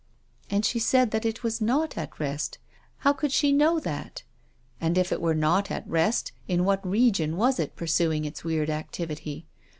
And she said that it was not at rest. How could she know that ? And if it were not at rest, in what region was it pursuing its weird activity